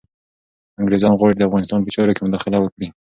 انګریزان غواړي چي د افغانستان په چارو کي مداخله وکړي.